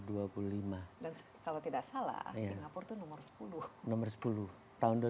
dan kalau tidak salah singapura itu nomor sepuluh